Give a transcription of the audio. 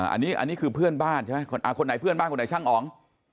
อันนี้คือเพื่อนบ้านใช่ไหมคนไหนเพื่อนบ้านคนไหนช่างอ๋อง